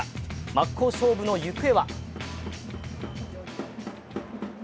真っ向勝負の行方は？